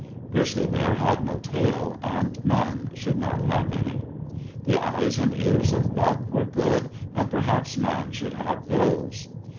Grizzly Bear had no tail, and man should not have any. The eyes and ears of Buck were good, and perhaps man should have those.